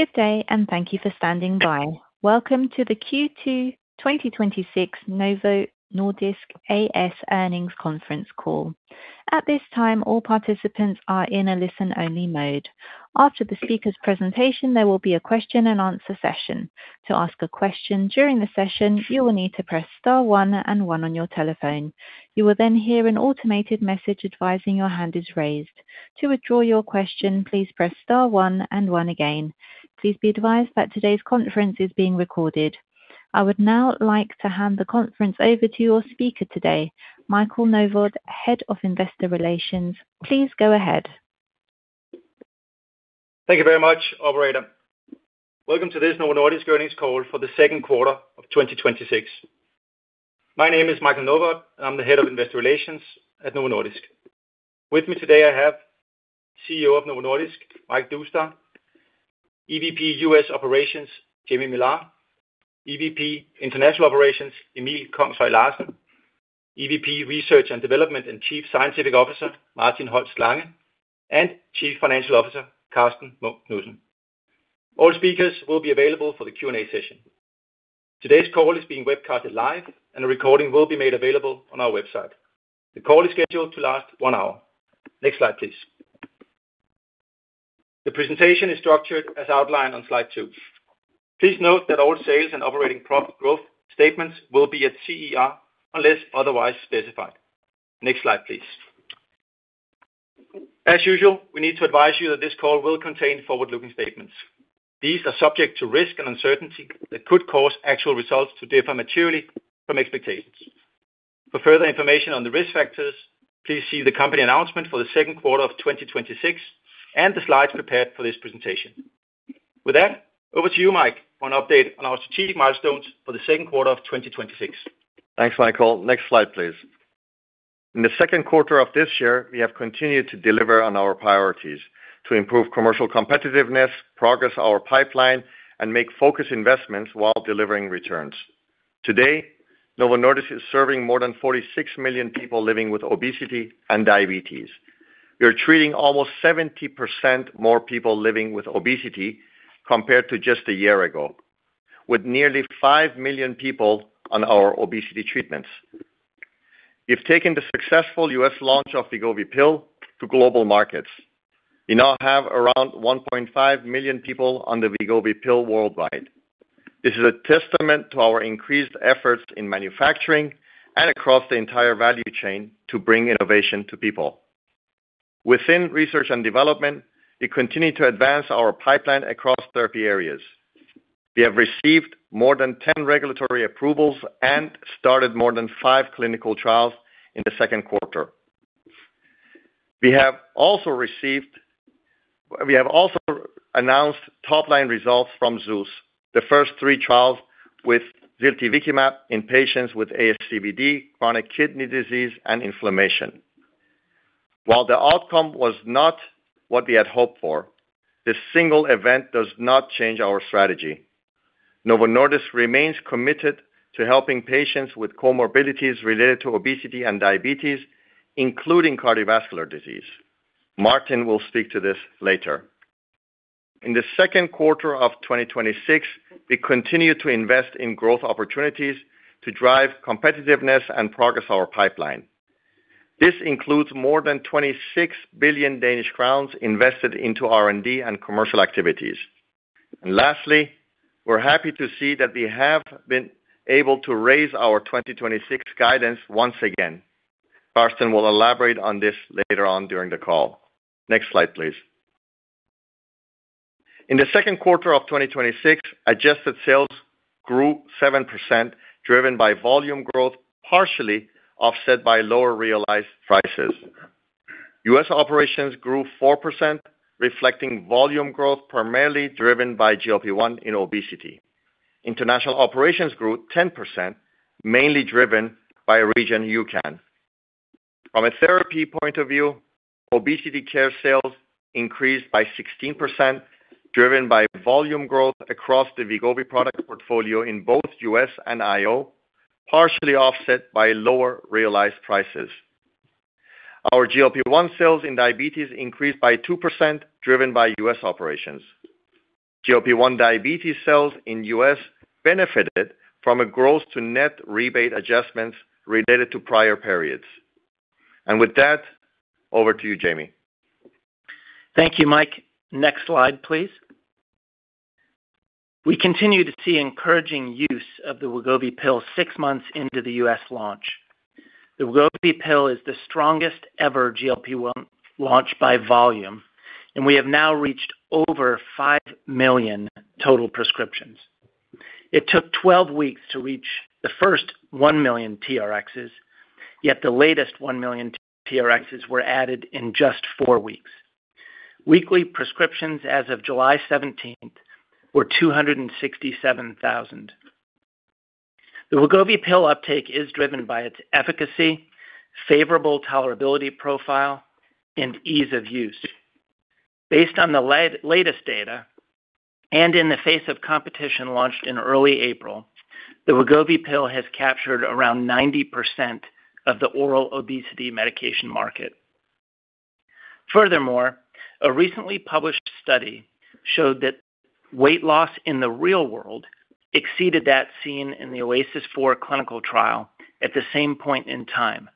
Good day. Thank you for standing by. Welcome to the Q2 2026 Novo Nordisk A/S earnings conference call. At this time, all participants are in a listen-only mode. After the speaker's presentation, there will be a question-and-answer session. To ask a question during the session, you will need to press star one and one on your telephone. You will hear an automated message advising your hand is raised. To withdraw your question, please press star one and one again. Please be advised that today's conference is being recorded. I would now like to hand the conference over to your speaker today, Michael Novod, Head of Investor Relations. Please go ahead. Thank you very much, operator. Welcome to this Novo Nordisk earnings call for the second quarter of 2026. My name is Michael Novod. I'm the Head of Investor Relations at Novo Nordisk. With me today, I have CEO of Novo Nordisk, Mike Doustdar, EVP U.S. Operations, Jamey Millar, EVP International Operations, Emil Kongshøj Larsen, EVP Research and Development, and Chief Scientific Officer, Martin Holst Lange, and Chief Financial Officer, Karsten Munk Knudsen. All speakers will be available for the Q&A session. Today's call is being webcasted live. A recording will be made available on our website. The call is scheduled to last one hour. Next slide, please. The presentation is structured as outlined on slide two. Please note that all sales and operating profit growth statements will be at CER unless otherwise specified. Next slide, please. As usual, we need to advise you that this call will contain forward-looking statements. These are subject to risk and uncertainty that could cause actual results to differ materially from expectations. For further information on the risk factors, please see the company announcement for the second quarter of 2026 and the slides prepared for this presentation. With that, over to you, Mike, for an update on our strategic milestones for the second quarter of 2026. Thanks, Michael. Next slide, please. In the second quarter of this year, we have continued to deliver on our priorities to improve commercial competitiveness, progress our pipeline, and make focused investments while delivering returns. Today, Novo Nordisk is serving more than 46 million people living with obesity and diabetes. We are treating almost 70% more people living with obesity compared to just a year ago, with nearly 5 million people on our obesity treatments. We've taken the successful U.S. launch of Wegovy pill to global markets. We now have around 1.5 million people on the Wegovy pill worldwide. This is a testament to our increased efforts in manufacturing and across the entire value chain to bring innovation to people. Within research and development, we continue to advance our pipeline across therapy areas. We have received more than 10 regulatory approvals and started more than 5 clinical trials in the second quarter. We have also announced top-line results from ZEUS, the first three trials with ziltivekimab in patients with ASCVD, chronic kidney disease, and inflammation. While the outcome was not what we had hoped for, this single event does not change our strategy. Novo Nordisk remains committed to helping patients with comorbidities related to obesity and diabetes, including cardiovascular disease. Martin will speak to this later. In the second quarter of 2026, we continued to invest in growth opportunities to drive competitiveness and progress our pipeline. This includes more than 26 billion Danish crowns invested into R&D and commercial activities. Lastly, we are happy to see that we have been able to raise our 2026 guidance once again. Karsten will elaborate on this later on during the call. Next slide, please. In the second quarter of 2026, adjusted sales grew 7%, driven by volume growth, partially offset by lower realized prices. U.S. operations grew 4%, reflecting volume growth primarily driven by GLP-1 in obesity. International Operations grew 10%, mainly driven by region EUCAN. From a therapy point of view, obesity care sales increased by 16%, driven by volume growth across the Wegovy product portfolio in both U.S. and IO, partially offset by lower realized prices. Our GLP-1 sales in diabetes increased by 2%, driven by U.S. operations. GLP-1 diabetes sales in U.S. benefited from a gross to net rebate adjustments related to prior periods. With that, over to you, Jamey. Thank you, Mike. Next slide, please. We continue to see encouraging use of the Wegovy pill six months into the U.S. launch. The Wegovy pill is the strongest-ever GLP-1 launch by volume, and we have now reached over 5 million total prescriptions. It took 12 weeks to reach the first 1 million TRx. Yet the latest 1 million TRx were added in just four weeks. Weekly prescriptions as of July 17th were 267,000. The Wegovy pill uptake is driven by its efficacy, favorable tolerability profile, and ease of use. Based on the latest data, in the face of competition launched in early April, the Wegovy pill has captured around 90% of the oral obesity medication market. Furthermore, a recently published study showed that weight loss in the real world exceeded that seen in the OASIS 4 clinical trial at the same point in time,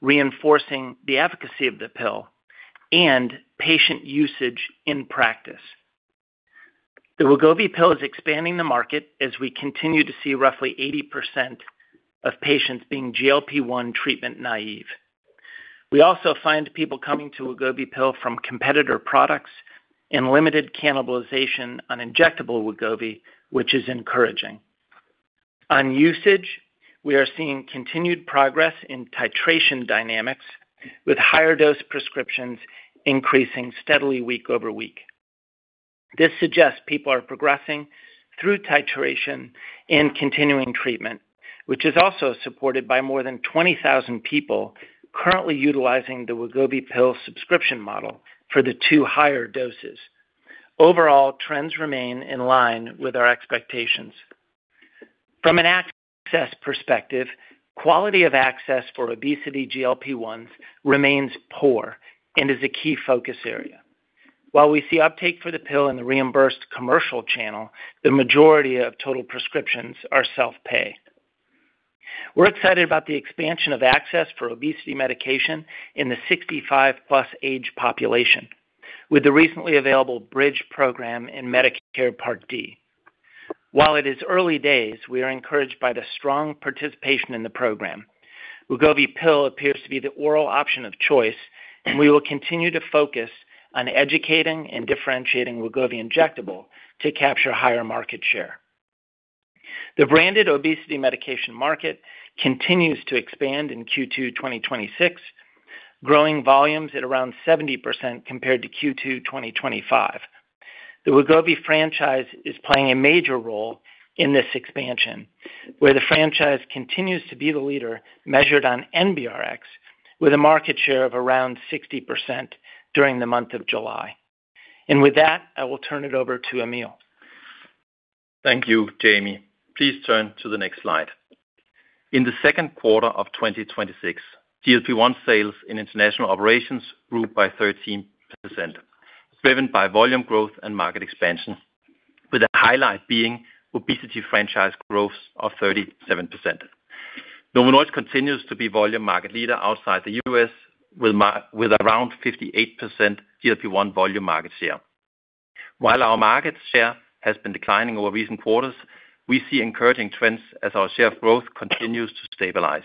reinforcing the efficacy of the pill and patient usage in practice. The Wegovy pill is expanding the market as we continue to see roughly 80% of patients being GLP-1 treatment naive. We also find people coming to Wegovy pill from competitor products and limited cannibalization on injectable Wegovy, which is encouraging. On usage, we are seeing continued progress in titration dynamics, with higher dose prescriptions increasing steadily week over week. This suggests people are progressing through titration and continuing treatment, which is also supported by more than 20,000 people currently utilizing the Wegovy pill subscription model for the two higher doses. Overall, trends remain in line with our expectations. From an access perspective, quality of access for obesity GLP-1s remains poor and is a key focus area. While we see uptake for the pill in the reimbursed commercial channel, the majority of total prescriptions are self-pay. We're excited about the expansion of access for obesity medication in the 65+ age population, with the recently available Bridge program in Medicare Part D. While it is early days, we are encouraged by the strong participation in the program. Wegovy pill appears to be the oral option of choice, we will continue to focus on educating and differentiating Wegovy injectable to capture higher market share. The branded obesity medication market continues to expand in Q2 2026, growing volumes at around 70% compared to Q2 2025. The Wegovy franchise is playing a major role in this expansion, where the franchise continues to be the leader measured on NBRx with a market share of around 60% during the month of July. With that, I will turn it over to Emil. Thank you, Jamey. Please turn to the next slide. In the second quarter of 2026, GLP-1 sales in International Operations grew by 13%, driven by volume growth and market expansion, with the highlight being obesity franchise growth of 37%. Novo Nordisk continues to be volume market leader outside the U.S. with around 58% GLP-1 volume market share. While our market share has been declining over recent quarters, we see encouraging trends as our share of growth continues to stabilize.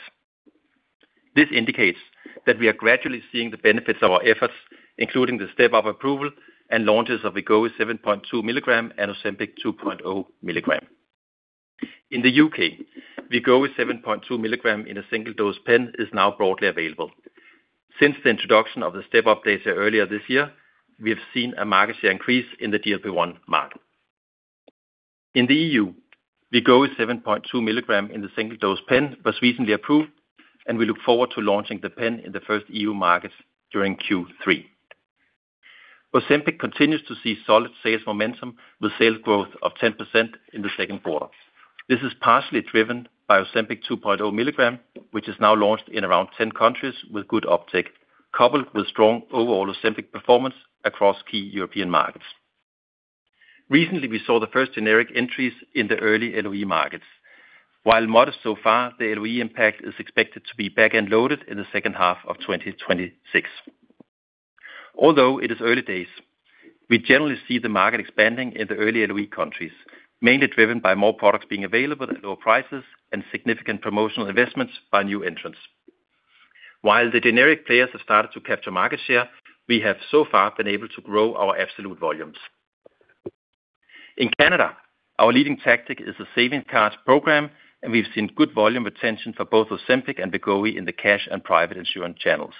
This indicates that we are gradually seeing the benefits of our efforts, including the step-up approval and launches of Wegovy 7.2 mg and Ozempic 2.0 mg. In the U.K., Wegovy 7.2 mg in a single-dose pen is now broadly available. Since the introduction of the step-up data earlier this year, we have seen a market share increase in the GLP-1 market. In the EU, Wegovy 7.2 mg in the single-dose pen was recently approved, we look forward to launching the pen in the first EU markets during Q3. Ozempic continues to see solid sales momentum, with sales growth of 10% in the second quarter. This is partially driven by Ozempic 2.0 mg, which is now launched in around 10 countries with good uptake, coupled with strong overall Ozempic performance across key European markets. Recently, we saw the first generic entries in the early LOE markets. While modest so far, the LOE impact is expected to be back-end loaded in the second half of 2026. Although it is early days, we generally see the market expanding in the early LOE countries, mainly driven by more products being available at lower prices and significant promotional investments by new entrants. While the generic players have started to capture market share, we have so far been able to grow our absolute volumes. In Canada, our leading tactic is the savings card program, and we've seen good volume retention for both Ozempic and Wegovy in the cash and private insurance channels.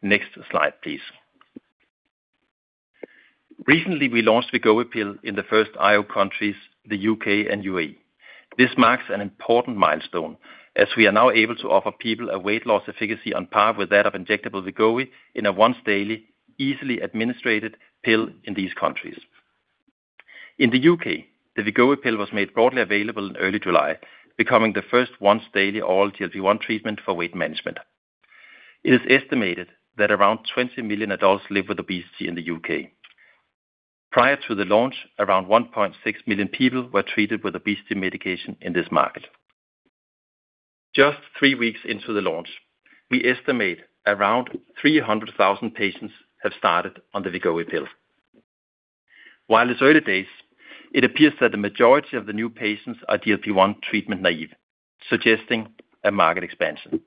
Next slide, please. Recently, we launched Wegovy pill in the first IO countries, the U.K. and U.A.E. This marks an important milestone as we are now able to offer people a weight loss efficacy on par with that of injectable Wegovy in a once-daily, easily administered pill in these countries. In the U.K., the Wegovy pill was made broadly available in early July, becoming the first once-daily oral GLP-1 treatment for weight management. It is estimated that around 20 million adults live with obesity in the U.K. Prior to the launch, around 1.6 million people were treated with obesity medication in this market. Just three weeks into the launch, we estimate around 300,000 patients have started on the Wegovy pill. While it's early days, it appears that the majority of the new patients are GLP-1 treatment-naive, suggesting a market expansion.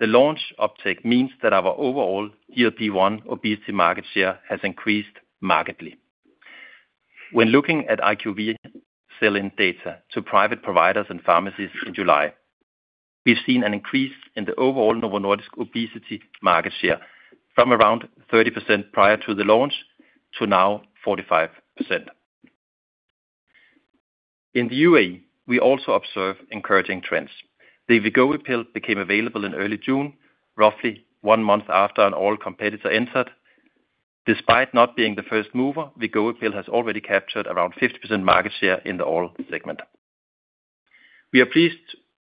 The launch uptake means that our overall GLP-1 obesity market share has increased markedly. When looking at IQVIA sell-in data to private providers and pharmacies in July, we've seen an increase in the overall Novo Nordisk obesity market share from around 30% prior to the launch to now 45%. In the U.A.E., we also observe encouraging trends. The Wegovy pill became available in early June, roughly one month after an oral competitor entered. Despite not being the first mover, Wegovy pill has already captured around 50% market share in the oral segment. We are pleased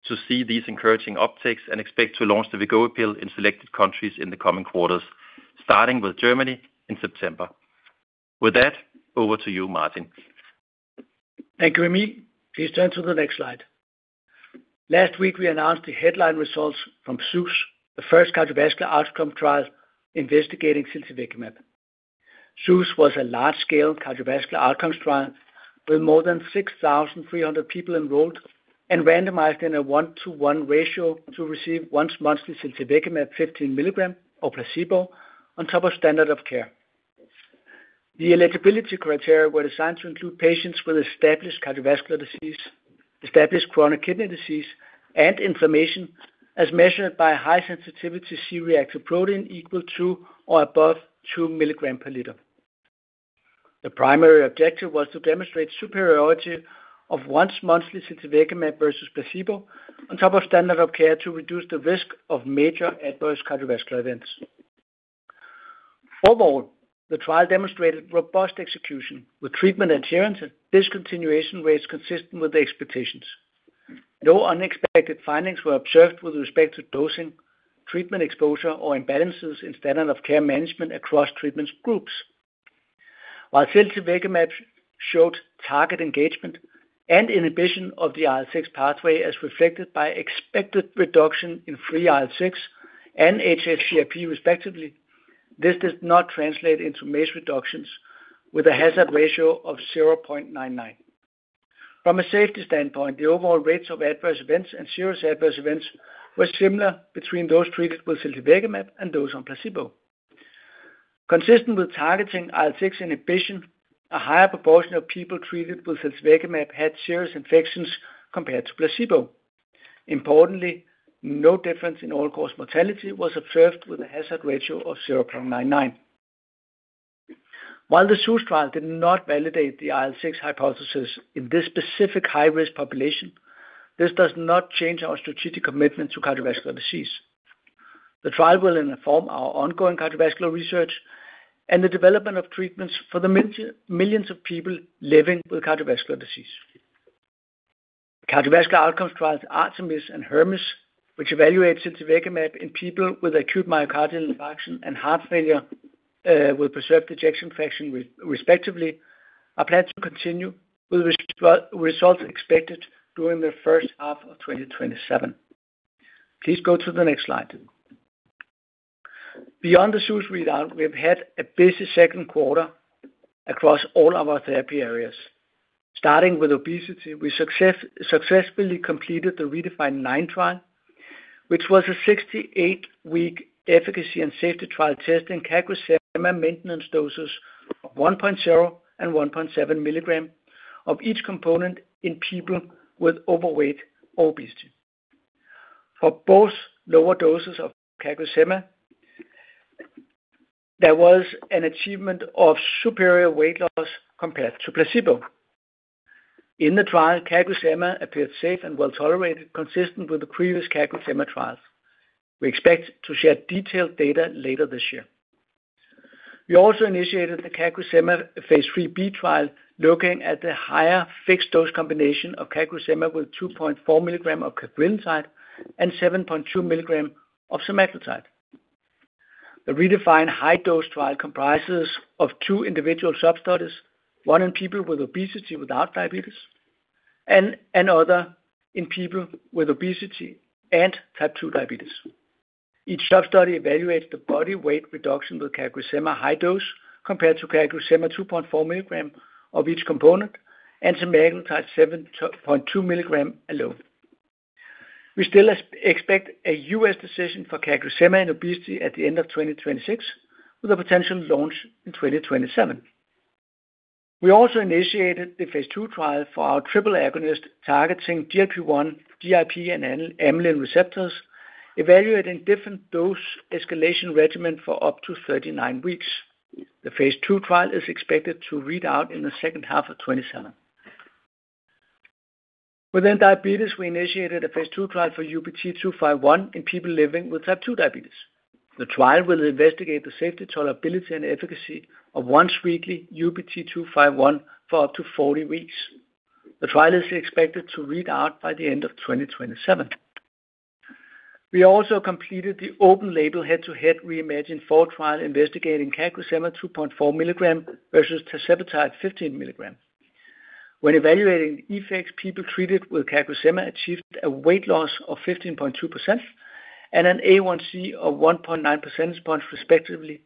to see these encouraging upticks and expect to launch the Wegovy pill in selected countries in the coming quarters, starting with Germany in September. With that, over to you, Martin. Thank you, Emil. Please turn to the next slide. Last week we announced the headline results from ZEUS, the first cardiovascular outcome trial investigating ziltivekimab. ZEUS was a large-scale cardiovascular outcomes trial with more than 6,300 people enrolled and randomized in a 1:1 ratio to receive once-monthly ziltivekimab 15 mg or placebo on top of standard of care. The eligibility criteria were designed to include patients with established cardiovascular disease, established chronic kidney disease, and inflammation, as measured by high-sensitivity C-reactive protein equal to or above 2 mg per liter. The primary objective was to demonstrate superiority of once-monthly ziltivekimab versus placebo on top of standard of care, to reduce the risk of major adverse cardiovascular events. Overall, the trial demonstrated robust execution with treatment adherence and discontinuation rates consistent with the expectations. No unexpected findings were observed with respect to dosing, treatment exposure, or imbalances in standard of care management across treatments groups. While ziltivekimab showed target engagement and inhibition of the IL-6 pathway as reflected by expected reduction in free IL-6 and hsCRP respectively, this does not translate into MACE reductions with a hazard ratio of 0.99. From a safety standpoint, the overall rates of adverse events and serious adverse events were similar between those treated with ziltivekimab and those on placebo. Consistent with targeting IL-6 inhibition, a higher proportion of people treated with ziltivekimab had serious infections compared to placebo. Importantly, no difference in all-cause mortality was observed with a hazard ratio of 0.99. While the ZEUS trial did not validate the IL-6 hypothesis in this specific high-risk population, this does not change our strategic commitment to cardiovascular disease. The trial will inform our ongoing cardiovascular research and the development of treatments for the millions of people living with cardiovascular disease. Cardiovascular outcomes trials ARTEMIS and HERMES, which evaluates ziltivekimab in people with acute myocardial infarction and heart failure, will preserve ejection fraction respectively, are planned to continue with results expected during the first half of 2027. Please go to the next slide. Beyond the ZEUS readout, we have had a busy second quarter across all our therapy areas. Starting with obesity, we successfully completed the REDEFINE 9 trial, which was a 68-week efficacy and safety trial testing CagriSema maintenance doses of 1.0 mg and 1.7 mg of each component in people with overweight obesity. For both lower doses of CagriSema, there was an achievement of superior weight loss compared to placebo. In the trial, CagriSema appeared safe and well-tolerated, consistent with the previous CagriSema trials. We expect to share detailed data later this year. We also initiated the CagriSema phase III-B trial looking at the higher fixed-dose combination of CagriSema with 2.4 mg of cagrilintide and 7.2 mg of semaglutide. The REDEFINE high-dose trial comprises of two individual substudies, one in people with obesity without diabetes, and another in people with obesity and type 2 diabetes. Each substudy evaluates the body weight reduction with CagriSema high dose compared to CagriSema 2.4 mg of each component and semaglutide 7.2 mg alone. We still expect a U.S. decision for CagriSema in obesity at the end of 2026, with a potential launch in 2027. We also initiated the phase II trial for our triple agonist targeting GLP-1, GIP, and amylin receptors, evaluating different dose escalation regimen for up to 39 weeks. The phase II trial is expected to read out in the second half of 2027. Within diabetes, we initiated a phase II trial for UBT251 in people living with type 2 diabetes. The trial will investigate the safety, tolerability, and efficacy of once-weekly UBT251 for up to 40 weeks. The trial is expected to read out by the end of 2027. We also completed the open-label, head-to-head REIMAGINE 4 trial investigating CagriSema 2.4 mg versus tirzepatide 15 mg. When evaluating effects, people treated with CagriSema achieved a weight loss of 15.2% and an HbA1c of 1.9 percentage points, respectively,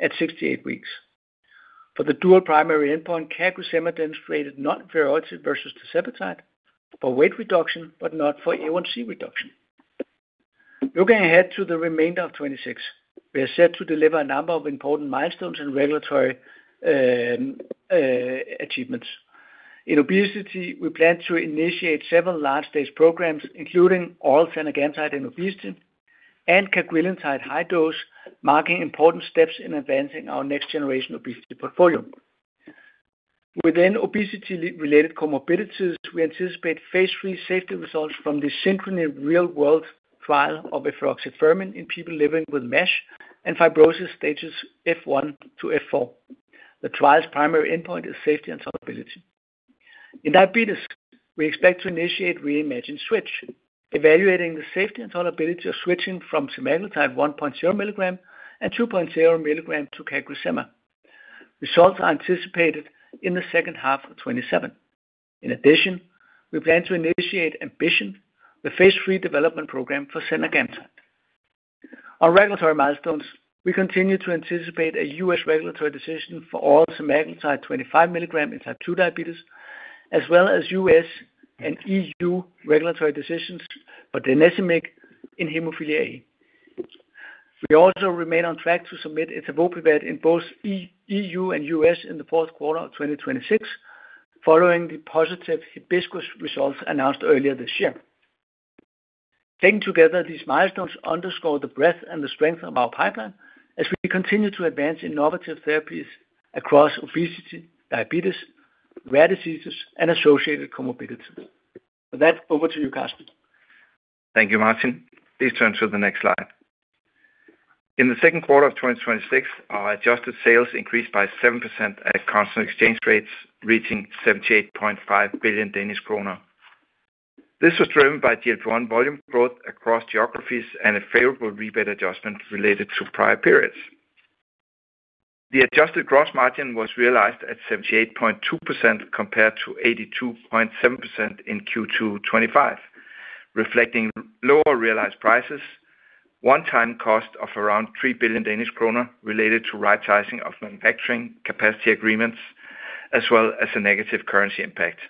at 68 weeks. For the dual primary endpoint, CagriSema demonstrated non-inferiority versus tirzepatide for weight reduction, but not for HbA1c reduction. Looking ahead to the remainder of 2026, we are set to deliver a number of important milestones and regulatory achievements. In obesity, we plan to initiate several large-stage programs, including oral zenagamtide in obesity and cagrilintide high dose, marking important steps in advancing our next-generation obesity portfolio. Within obesity-related comorbidities, we anticipate phase III safety results from the SYNCHRONY Real-World trial of efruxifermin in people living with MASH and fibrosis stages F1 to F4 The trial's primary endpoint is safety and tolerability. In diabetes, we expect to initiate REIMAGINE SWITCH, evaluating the safety and tolerability of switching from semaglutide 1.0 mg and 2.0 mg to CagriSema. Results are anticipated in the second half of 2027. In addition, we plan to initiate AMBITION, the phase III development program for zenagamtide. On regulatory milestones, we continue to anticipate a U.S. regulatory decision for oral semaglutide 25 mg in type 2 diabetes, as well as U.S. and EU regulatory decisions for denecimig in hemophilia A. We also remain on track to submit etavopivat in both EU and U.S. in the fourth quarter of 2026, following the positive HIBISCUS results announced earlier this year. Taken together, these milestones underscore the breadth and the strength of our pipeline as we continue to advance innovative therapies across obesity, diabetes, rare diseases, and associated comorbidities. With that, over to you, Karsten. Thank you, Martin. Please turn to the next slide. In the second quarter of 2026, our adjusted sales increased by 7% at constant exchange rates, reaching 78.5 billion Danish kroner. This was driven by GLP-1 volume growth across geographies and a favorable rebate adjustment related to prior periods. The adjusted gross margin was realized at 78.2% compared to 82.7% in Q2 2025, reflecting lower realized prices, one-time cost of around 3 billion Danish kroner related to right sizing of manufacturing capacity agreements, as well as a negative currency impact.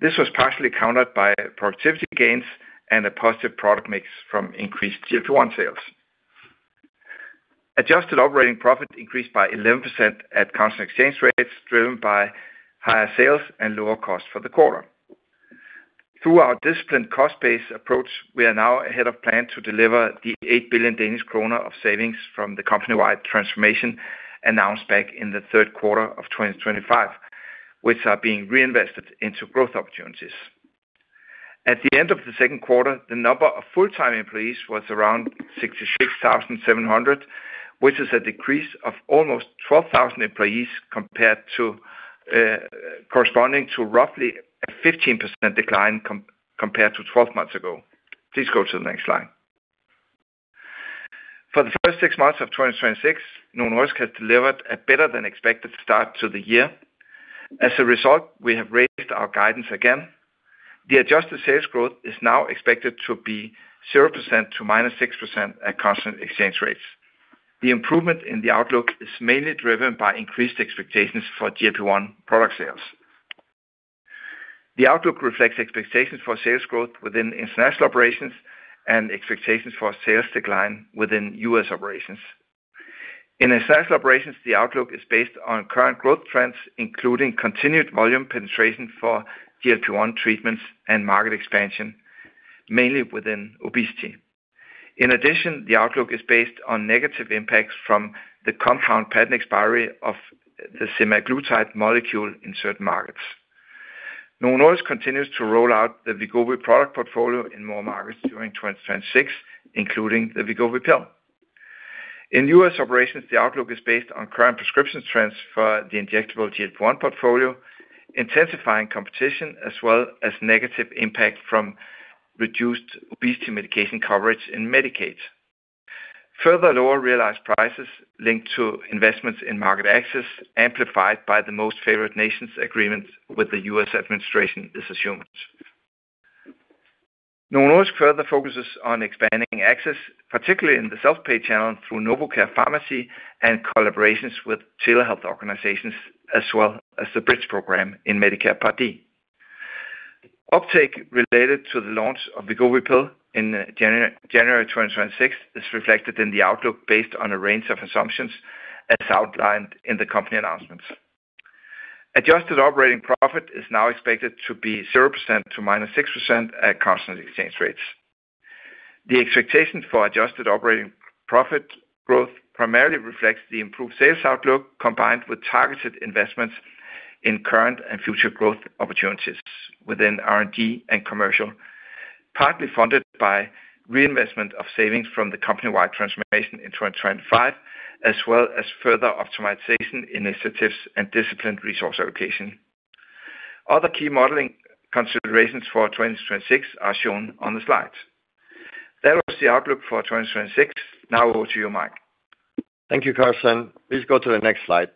This was partially countered by productivity gains and a positive product mix from increased GLP-1 sales. Adjusted operating profit increased by 11% at constant exchange rates, driven by higher sales and lower costs for the quarter. Through our disciplined cost-based approach, we are now ahead of plan to deliver the 8 billion Danish kroner of savings from the company-wide transformation announced back in the third quarter of 2025, which are being reinvested into growth opportunities. At the end of the second quarter, the number of full-time employees was around 66,700, which is a decrease of almost 12,000 employees corresponding to roughly a 15% decline compared to 12 months ago. Please go to the next slide. For the first six months of 2026, Novo Nordisk has delivered a better than expected start to the year. As a result, we have raised our guidance again. The adjusted sales growth is now expected to be 0% to -6% at constant exchange rates. The improvement in the outlook is mainly driven by increased expectations for GLP-1 product sales. The outlook reflects expectations for sales growth within International Operations and expectations for sales decline within U.S. Operations. In International Operations, the outlook is based on current growth trends, including continued volume penetration for GLP-1 treatments and market expansion, mainly within obesity. In addition, the outlook is based on negative impacts from the compound patent expiry of the semaglutide molecule in certain markets. Novo Nordisk continues to roll out the Wegovy product portfolio in more markets during 2026, including the Wegovy pill. In U.S. Operations, the outlook is based on current prescription trends for the injectable GLP-1 portfolio, intensifying competition, as well as negative impact from reduced obesity medication coverage in Medicaid. Further lower realized prices linked to investments in market access, amplified by the most favored nations agreements with the U.S. administration is assumed. Novo Nordisk further focuses on expanding access, particularly in the self-pay channel through NovoCare Pharmacy and collaborations with telehealth organizations, as well as the Bridge Program in Medicare Part D. Uptake related to the launch of Wegovy pill in January 2026 is reflected in the outlook based on a range of assumptions as outlined in the company announcements. Adjusted operating profit is now expected to be 0% to -6% at constant exchange rates. The expectation for adjusted operating profit growth primarily reflects the improved sales outlook, combined with targeted investments in current and future growth opportunities within R&D and commercial, partly funded by reinvestment of savings from the company-wide transformation in 2025, as well as further optimization initiatives and disciplined resource allocation. Other key modeling considerations for 2026 are shown on the slides. That was the outlook for 2026. Now over to you, Mike. Thank you, Karsten. Please go to the next slide.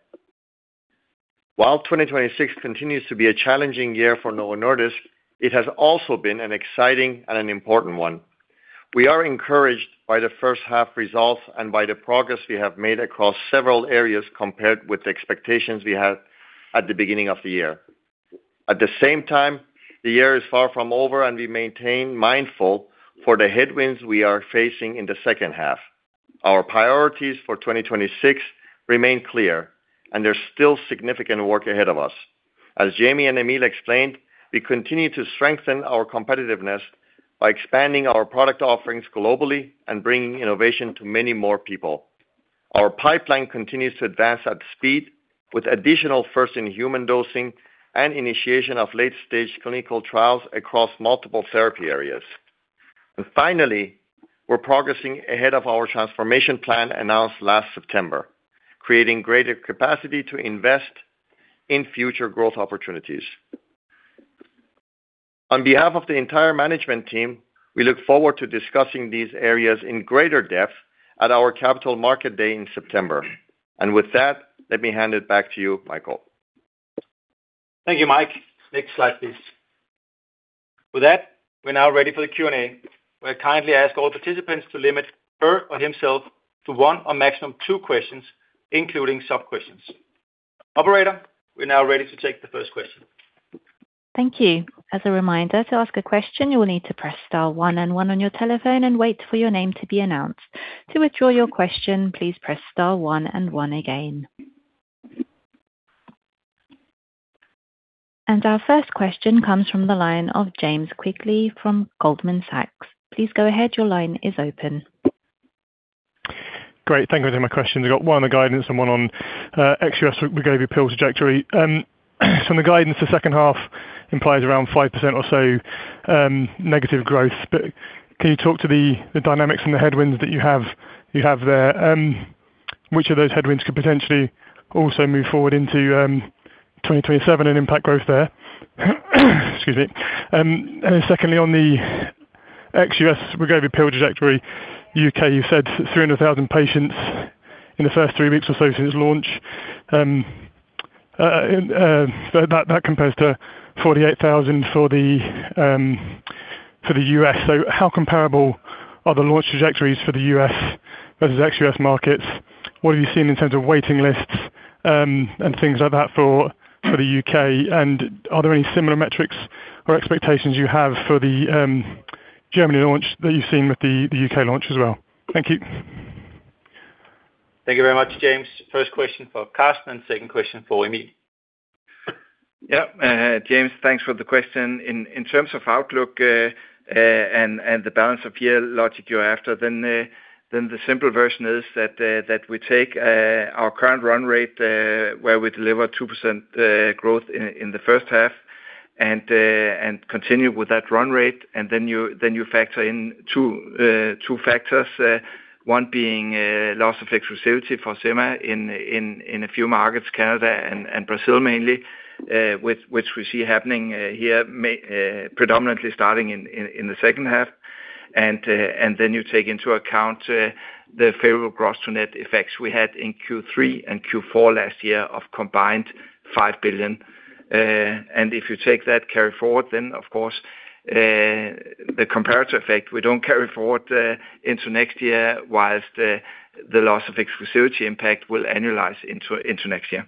While 2026 continues to be a challenging year for Novo Nordisk, it has also been an exciting and an important one. We are encouraged by the first half results and by the progress we have made across several areas compared with the expectations we had at the beginning of the year. At the same time, the year is far from over, and we maintain mindful for the headwinds we are facing in the second half. Our priorities for 2026 remain clear, and there is still significant work ahead of us. As Jamey and Emil explained, we continue to strengthen our competitiveness by expanding our product offerings globally and bringing innovation to many more people. Our pipeline continues to advance at speed with additional first-in-human dosing and initiation of late-stage clinical trials across multiple therapy areas. Finally, we are progressing ahead of our transformation plan announced last September, creating greater capacity to invest in future growth opportunities. On behalf of the entire management team, we look forward to discussing these areas in greater depth at our Capital Markets Day in September. With that, let me hand it back to you, Michael. Thank you, Mike. Next slide, please. With that, we're now ready for the Q&A. We kindly ask all participants to limit her or himself to one or maximum two questions, including sub-questions. Operator, we're now ready to take the first question. Thank you. As a reminder, to ask a question, you will need to press star one and one on your telephone and wait for your name to be announced. To withdraw your question, please press star one and one again. Our first question comes from the line of James Quigley from Goldman Sachs. Please go ahead. Your line is open. Great. Thank you for taking my question. I got one on the guidance and one on ex-U.S. Wegovy pill trajectory. On the guidance for second half implies around 5% or so negative growth. Can you talk to the dynamics and the headwinds that you have there? Which of those headwinds could potentially also move forward into 2027 and impact growth there? Excuse me. Secondly, on the ex-U.S. Wegovy pill trajectory, U.K., you said 300,000 patients in the first three weeks or so since launch. That compares to 48,000 for the U.S. How comparable are the launch trajectories for the U.S. versus ex-U.S. markets? What have you seen in terms of waiting lists, and things like that for the U.K.? Are there any similar metrics or expectations you have for the Germany launch that you've seen with the U.K. launch as well? Thank you. Thank you very much, James. First question for Karsten and second question for Emil. James, thanks for the question. In terms of outlook, the balance of year logic you're after, the simple version is that we take our current run rate, where we deliver 2% growth in the first half and continue with that run rate. You factor in two factors, one being loss of exclusivity for sema in a few markets, Canada and Brazil mainly, which we see happening here predominantly starting in the second half. You take into account the favorable gross to net effects we had in Q3 and Q4 last year of combined 5 billion. If you take that carry forward, of course, the comparative effect, we don't carry forward into next year, whilst the loss of exclusivity impact will annualize into next year.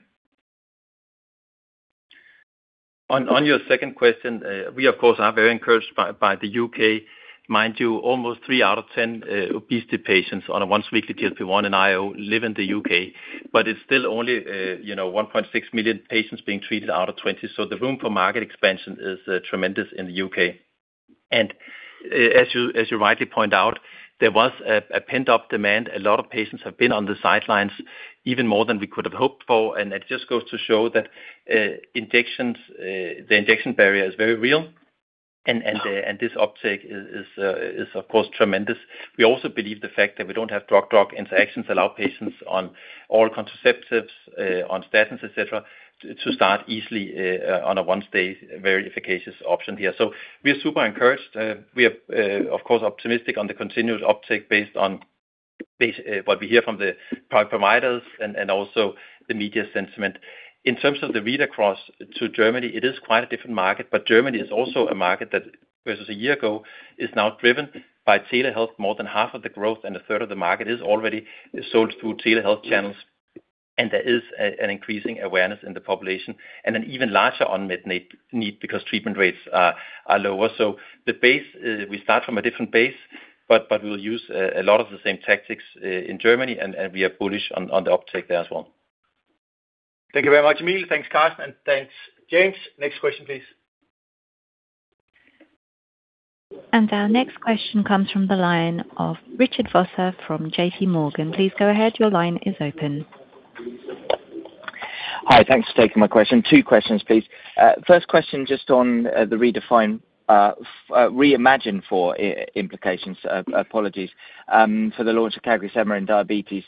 On your second question, we of course, are very encouraged by the U.K. Mind you, almost three out of 10 obesity patients on a once weekly GLP-1 and IO live in the U.K., but it's still only 1.6 million patients being treated out of 20 million. The room for market expansion is tremendous in the U.K. As you rightly point out, there was a pent-up demand. A lot of patients have been on the sidelines even more than we could have hoped for, it just goes to show that the injection barrier is very real and this uptake is of course tremendous. We also believe the fact that we don't have drug-drug interactions allow patients on all contraceptives, on statins, et cetera, to start easily on a once-day very efficacious option here. We are super encouraged. We are of course, optimistic on the continuous uptake based on what we hear from the product providers and also the media sentiment. In terms of the read across to Germany, it is quite a different market, Germany is also a market that versus a year ago, is now driven by telehealth. More than half of the growth and a third of the market is already sold through telehealth channels, there is an increasing awareness in the population and an even larger unmet need because treatment rates are lower. We start from a different base, we'll use a lot of the same tactics in Germany, we are bullish on the uptake there as well. Thank you very much, Emil. Thanks, Karsten, and thanks, James. Next question, please. Our next question comes from the line of Richard Vosser from JPMorgan. Please go ahead. Your line is open. Hi. Thanks for taking my question. Two questions, please. First question, just on the REIMAGINE 4 implications, apologies for the launch of CagriSema in diabetes.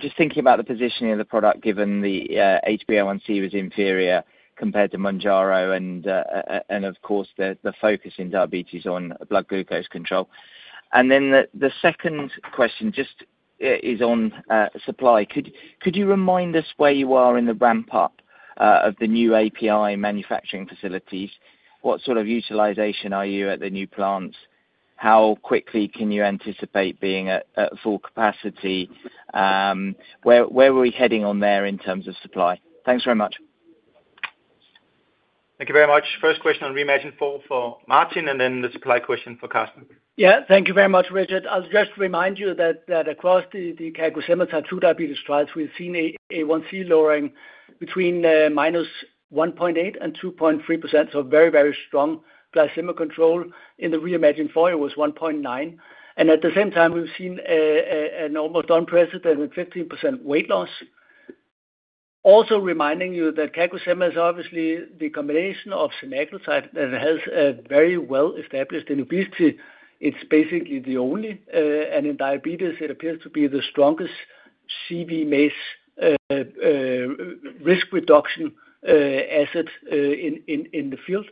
Just thinking about the positioning of the product, given the HbA1c was inferior compared to Mounjaro and of course, the focus in diabetes on blood glucose control. The second question just is on supply. Could you remind us where you are in the ramp-up of the new API manufacturing facilities? What sort of utilization are you at the new plants? How quickly can you anticipate being at full capacity? Where are we heading on there in terms of supply? Thanks very much. Thank you very much. First question on REIMAGINE 4 for Martin and then the supply question for Karsten. Yeah. Thank you very much, Richard. I'll just remind you that across the CagriSema two diabetes trials, we've seen HbA1c lowering between -1.8% and 2.3%, so very, very strong glycaemic control. In the REIMAGINE 4, it was 1.9%. At the same time, we've seen an almost unprecedented 15% weight loss. Also reminding you that CagriSema is obviously the combination of semaglutide that has a very well established in obesity. It's basically the only, and in diabetes, it appears to be the strongest CV risk reduction asset in the field.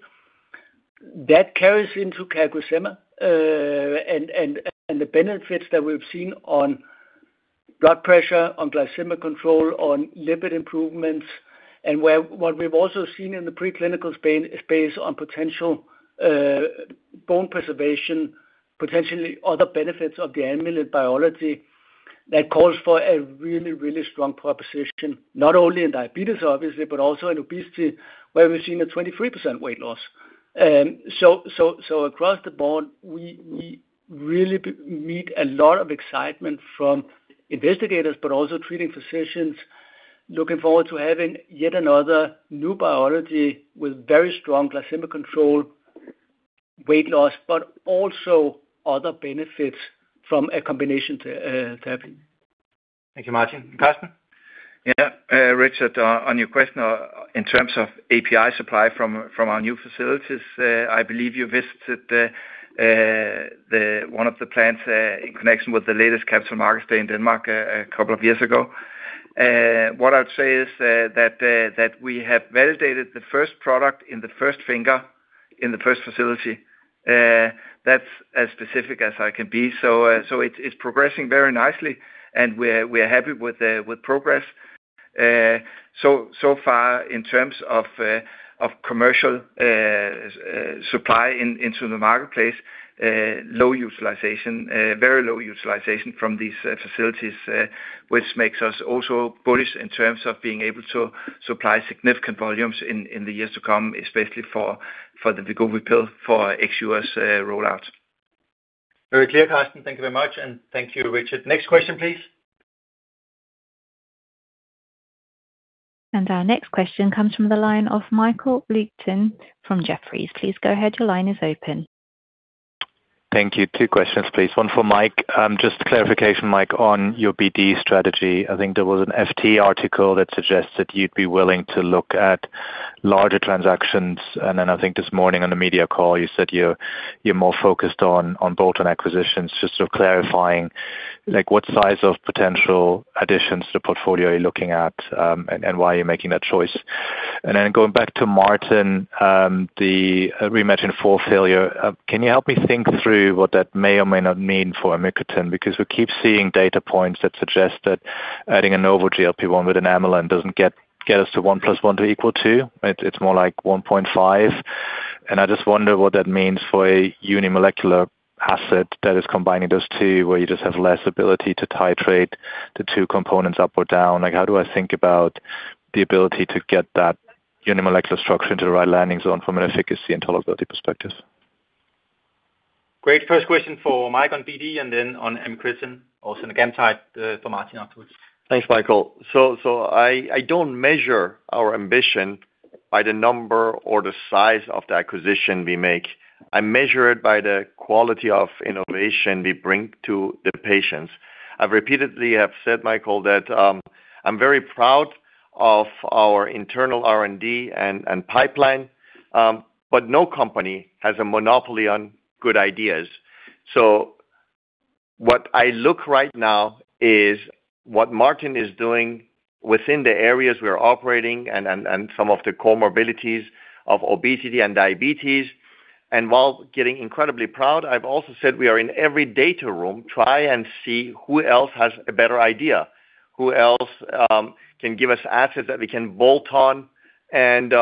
That carries into CagriSema, and the benefits that we've seen on blood pressure, on glycemic control, on lipid improvements, and what we've also seen in the preclinical space on potential bone preservation, potentially other benefits of the amylin biology, that calls for a really, really strong proposition, not only in diabetes, obviously, but also in obesity, where we're seeing a 23% weight loss. Across the board, we really meet a lot of excitement from investigators, but also treating physicians looking forward to having yet another new biology with very strong glycemic control, weight loss, but also other benefits from a combination therapy. Thank you, Martin. Karsten? Richard, on your question in terms of API supply from our new facilities, I believe you visited one of the plants in connection with the latest Capital Markets Day in Denmark a couple of years ago. What I would say is that we have validated the first product in the first finger in the first facility. That is as specific as I can be. It is progressing very nicely, and we are happy with progress. Far in terms of commercial supply into the marketplace, very low utilization from these facilities, which makes us also bullish in terms of being able to supply significant volumes in the years to come, especially for the Wegovy pill for ex-U.S. rollout. Very clear, Karsten. Thank you very much, thank you, Richard. Next question, please. Our next question comes from the line of Michael Leuchten from Jefferies. Please go ahead. Your line is open. Thank you. Two questions, please. One for Mike. Just clarification, Mike, on your BD strategy. I think there was an FT article that suggests that you'd be willing to look at larger transactions. I think this morning on the media call, you said you're more focused on bolt-on acquisitions. Just sort of clarifying, what size of potential additions to the portfolio are you looking at, and why are you making that choice? Going back to Martin, the REIMAGINE 4 failure. Can you help me think through what that may or may not mean for amycretin? We keep seeing data points that suggest that adding a novel GLP-1 with an amylin doesn't get us to 1 + 1 = 2, right? It's more like 1.5. I just wonder what that means for a unimolecular asset that is combining those two, where you just have less ability to titrate the two components up or down. How do I think about the ability to get that unimolecular structure into the right landing zone from an efficacy and tolerability perspective? Great. First question for Mike on BD, and then on amycretin, also on the zenagamtide for Martin afterwards. Thanks, Michael. I don't measure our ambition by the number or the size of the acquisition we make. I measure it by the quality of innovation we bring to the patients. I've repeatedly have said, Michael, that I'm very proud of our internal R&D and pipeline, but no company has a monopoly on good ideas. What I look right now is what Martin is doing within the areas we are operating and some of the comorbidities of obesity and diabetes. While getting incredibly proud, I've also said we are in every data room, try and see who else has a better idea, who else can give us assets that we can bolt on and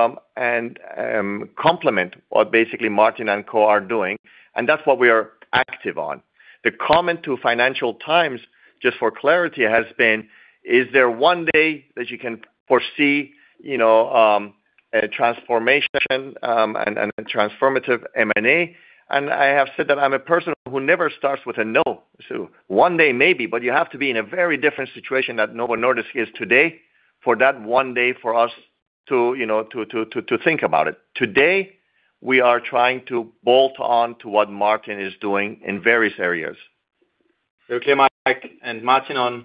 complement what basically Martin and co are doing, and that's what we are active on. The comment to Financial Times, just for clarity, has been, is there one day that you can foresee a transformation and a transformative M&A? I have said that I'm a person who never starts with a no. One day, maybe, but you have to be in a very different situation than Novo Nordisk is today for that one day for us to think about it. Today, we are trying to bolt on to what Martin is doing in various areas. Okay, Mike. Martin on-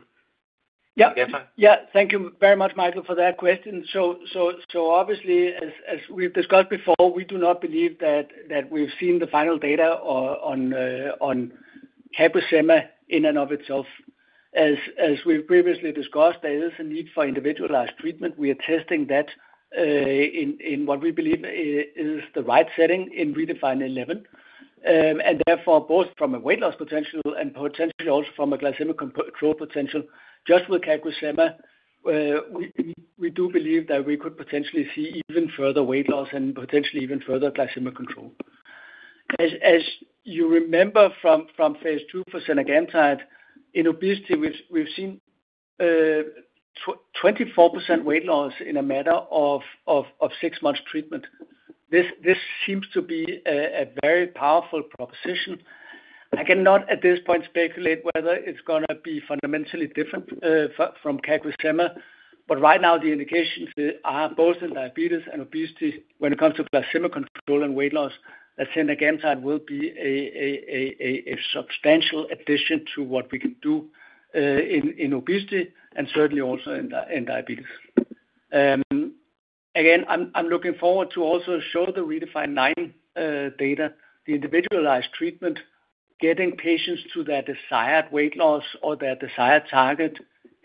Yeah. -zenagamtide. Thank you very much, Michael, for that question. Obviously, as we've discussed before, we do not believe that we've seen the final data on CagriSema in and of itself. As we've previously discussed, there is a need for individualized treatment. We are testing that in what we believe is the right setting in REDEFINE 11, and therefore, both from a weight loss potential and potentially also from a glycemic control potential, just with CagriSema, we do believe that we could potentially see even further weight loss and potentially even further glycemic control. As you remember from phase II for zenagamtide, in obesity, we've seen 24% weight loss in a matter of six months treatment. This seems to be a very powerful proposition. I cannot at this point speculate whether it's gonna be fundamentally different from CagriSema, but right now the indications are both in diabetes and obesity when it comes to glycemic control and weight loss, that zenagamtide will be a substantial addition to what we can do in obesity and certainly also in diabetes. Again, I'm looking forward to also show the REDEFINE 9 data, the individualized treatment, getting patients to their desired weight loss or their desired target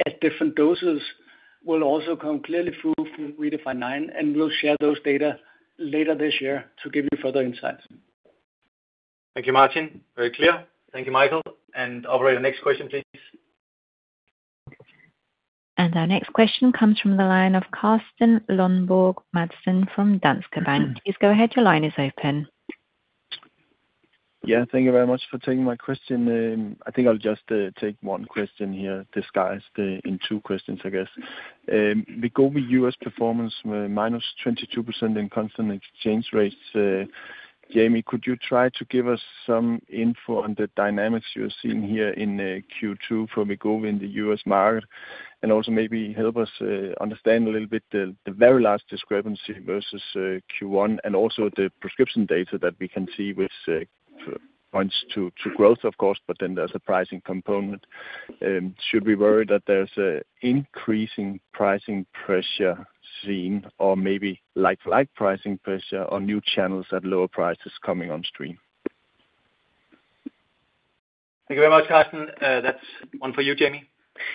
at different doses will also come clearly through from REDEFINE 9. We'll share those data later this year to give you further insights. Thank you, Martin. Very clear. Thank you, Michael. Operator, next question, please. Our next question comes from the line of Carsten Lønborg Madsen from Danske Bank. Please go ahead. Your line is open. Thank you very much for taking my question. I think I'll just take one question here, disguised in two questions, I guess. Wegovy U.S. performance, -22% in constant exchange rates. Jamey, could you try to give us some info on the dynamics you're seeing here in Q2 for Wegovy in the U.S. market, and also maybe help us understand a little bit the very last discrepancy versus Q1 and also the prescription data that we can see which points to growth, of course, but then there's a pricing component. Should we worry that there's increasing pricing pressure seen or maybe light pricing pressure on new channels at lower prices coming on stream? Thank you very much, Carsten. That's one for you, Jamey.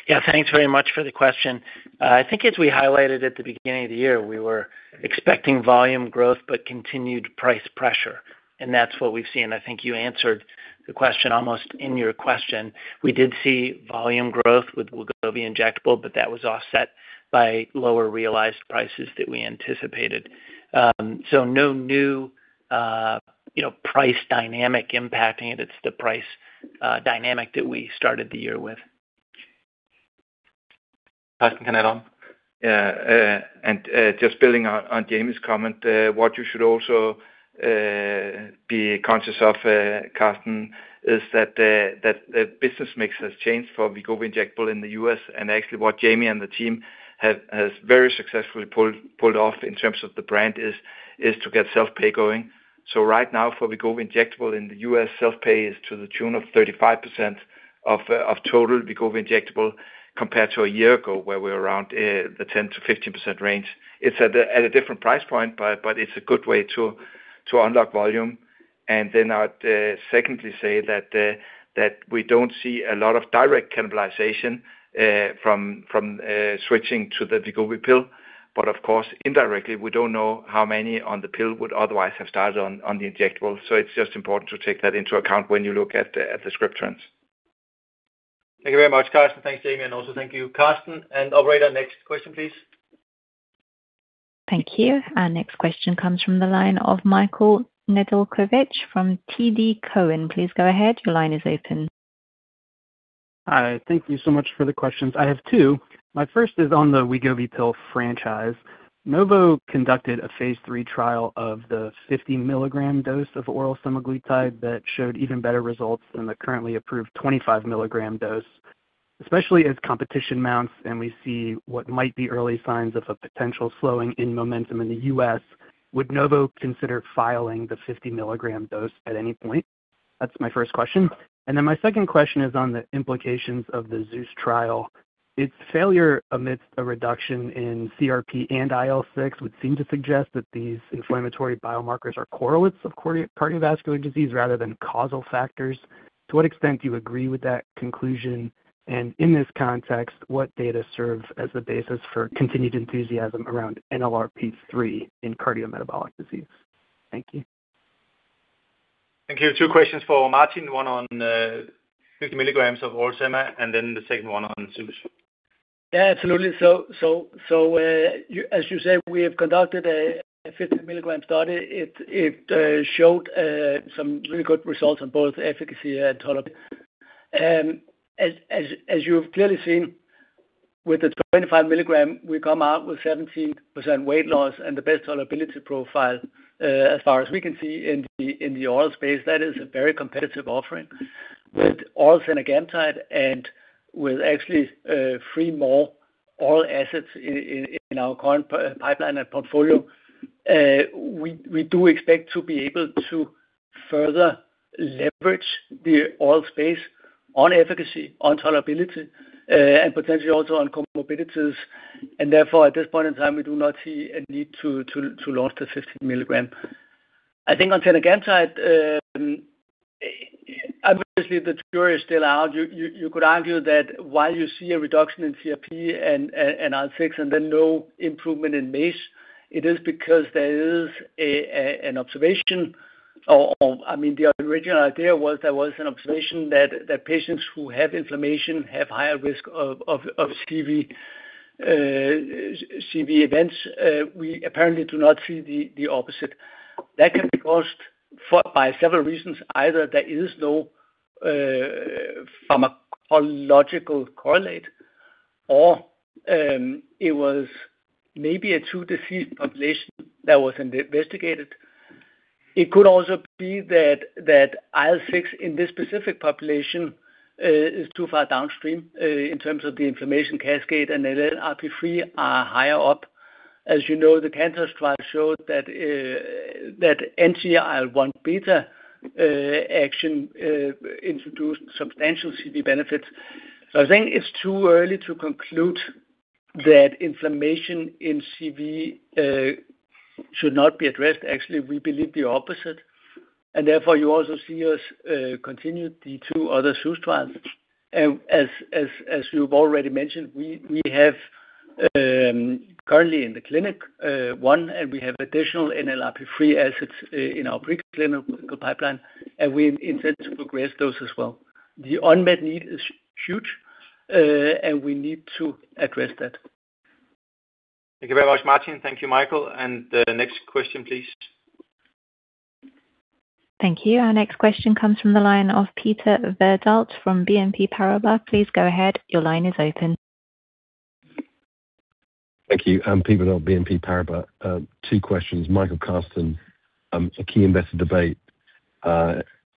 Yeah, thanks very much for the question. I think as we highlighted at the beginning of the year, we were expecting volume growth but continued price pressure, and that's what we've seen. I think you answered the question almost in your question. We did see volume growth with Wegovy injectable, but that was offset by lower realized prices than we anticipated. No new price dynamic impacting it. It's the price dynamic that we started the year with. Carsten, can I add on? Just building on Jamey's comment, what you should also be conscious of, Carsten, is that the business mix has changed for Wegovy injectable in the U.S. Actually what Jamey and the team has very successfully pulled off in terms of the brand is to get self-pay going. Right now for Wegovy injectable in the U.S., self-pay is to the tune of 35% of total Wegovy injectable compared to a year ago, where we were around the 10%-15% range. It's at a different price point, but it's a good way to unlock volume. Then I'd secondly say that we don't see a lot of direct cannibalization from switching to the Wegovy pill. Of course, indirectly, we don't know how many on the pill would otherwise have started on the injectable. It's just important to take that into account when you look at the script trends. Thank you very much, Karsten. Thanks, Jamey. Also thank you, Carsten. Operator, next question, please. Thank you. Our next question comes from the line of Michael Nedelcovych from TD Cowen. Please go ahead. Your line is open. Hi. Thank you so much for the questions. I have two. My first is on the Wegovy pill franchise. Novo conducted a phase III trial of the 50 mg dose of oral semaglutide that showed even better results than the currently approved 25 mg dose. Especially as competition mounts and we see what might be early signs of a potential slowing in momentum in the U.S., would Novo consider filing the 50 mg dose at any point? That's my first question. My second question is on the implications of the ZEUS trial. Its failure amidst a reduction in CRP and IL-6 would seem to suggest that these inflammatory biomarkers are correlates of cardiovascular disease rather than causal factors. To what extent do you agree with that conclusion? In this context, what data serve as the basis for continued enthusiasm around NLRP3 in cardiometabolic disease? Thank you. Thank you. Two questions for Martin, one on 50 mg of oral sema, the second one on ZEUS. Yeah, absolutely. As you say, we have conducted a 50 mg study. It showed some really good results on both efficacy and tolerability. As you've clearly seen with the 25 mg, we come out with 17% weight loss and the best tolerability profile as far as we can see in the oral space. That is a very competitive offering with oral zenagamtide and with actually three more oral assets in our current pipeline and portfolio. We do expect to be able to further leverage the oral space on efficacy, on tolerability, and potentially also on comorbidities, and therefore, at this point in time, we do not see a need to launch the 50 mg. I think on zenagamtide, obviously the jury is still out. You could argue that while you see a reduction in CRP and IL-6 and no improvement in MACE, it is because there is an observation, or the original idea was there was an observation that patients who have inflammation have higher risk of CV events. We apparently do not see the opposite. That can be caused by several reasons. Either there is no pharmacological correlate, or it was maybe a too diseased population that wasn't investigated. It could also be that IL-6 in this specific population is too far downstream in terms of the inflammation cascade, and NLRP3 are higher up. As you know, the CANTOS trial showed that IL-1 beta action introduced substantial CV benefits. I think it's too early to conclude that inflammation in CV should not be addressed. Actually, we believe the opposite, and therefore you also see us continue the two other SUS trials. As you've already mentioned, we have currently in the clinic phase I, we have additional NLRP3 assets in our pre-clinical pipeline, and we intend to progress those as well. The unmet need is huge, we need to address that. Thank you very much, Martin. Thank you, Michael. The next question, please. Thank you. Our next question comes from the line of Peter Verdult from BNP Paribas. Please go ahead. Your line is open. Thank you. Peter Verdult, BNP Paribas. Two questions. Michael, Karsten, a key investor debate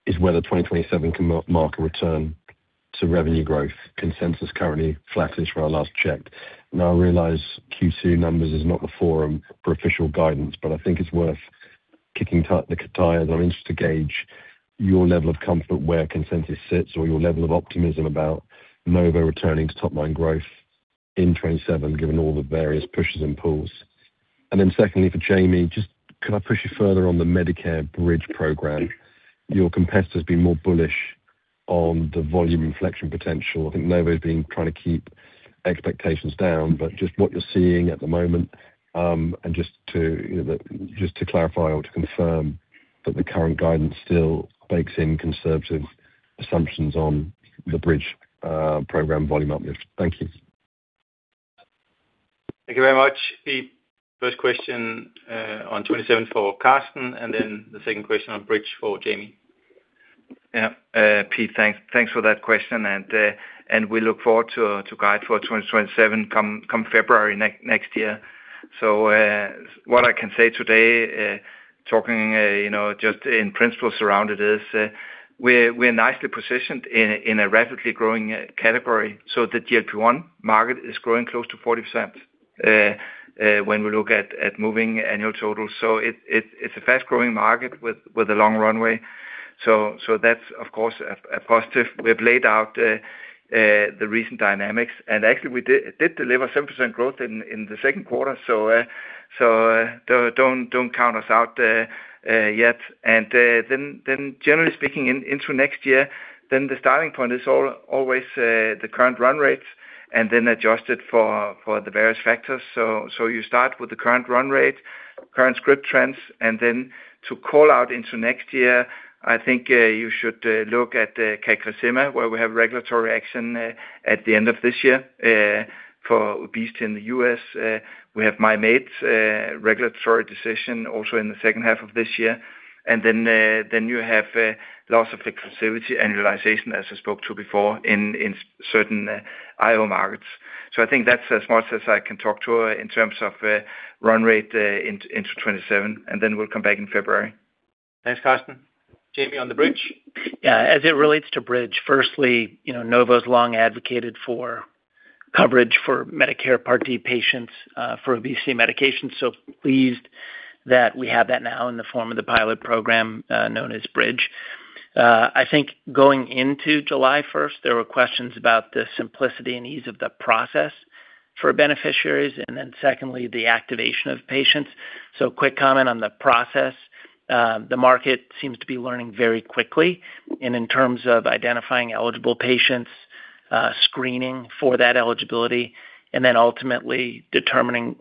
is whether 2027 can mark a return to revenue growth, consensus currently flat-ish where I last checked. I realize Q2 numbers is not the forum for official guidance, but I think it's worth kicking the tires. I'm interested to gauge your level of comfort where consensus sits or your level of optimism about Novo returning to top-line growth in 2027, given all the various pushes and pulls. Secondly, for Jamey, could I push you further on the Medicare Bridge program? Your competitor's been more bullish on the volume inflection potential. I think Novo's been trying to keep expectations down, but just what you're seeing at the moment, and just to clarify or to confirm that the current guidance still bakes in conservative assumptions on the Bridge program volume uplift. Thank you. Thank you very much, Pete. First question on 2027 for Karsten, the second question on Bridge for Jamey. Pete, thanks for that question. We look forward to guide for 2027 come February next year. What I can say today, talking just in principles around it is, we're nicely positioned in a rapidly growing category. The GLP-1 market is growing close to 40%, when we look at moving annual totals. It's a fast-growing market with a long runway. That's, of course, a positive. We have laid out the recent dynamics. Actually, we did deliver 7% growth in the second quarter, so don't count us out there yet. Generally speaking, into next year, the starting point is always the current run rates and then adjust it for the various factors. You start with the current run rate, current script trends. To call out into next year, I think you should look at the CagriSema, where we have regulatory action at the end of this year for obesity in the U.S. We have Mim8's regulatory decision also in the second half of this year. You have loss of exclusivity annualization, as I spoke to before, in certain IO markets. I think that's as much as I can talk to in terms of run rate into 2027. We'll come back in February. Thanks, Karsten. Jamey, on the Bridge? Yeah. As it relates to Bridge, firstly, Novo's long advocated for coverage for Medicare Part D patients for obesity medication. Pleased that we have that now in the form of the pilot program known as Bridge. I think going into July 1st, there were questions about the simplicity and ease of the process for beneficiaries. Secondly, the activation of patients. Quick comment on the process. The market seems to be learning very quickly. In terms of identifying eligible patients, screening for that eligibility, and ultimately determining